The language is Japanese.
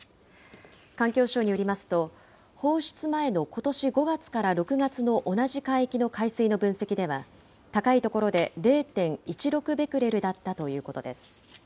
環境省によりますと、放出前のことし５月から６月の同じ海域の海水の分析では、高い所で０．１６ベクレルだったということです。